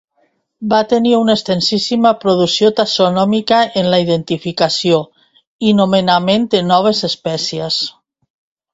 Va tenir una extensíssima producció taxonòmica en la identificació i nomenament de noves espècies.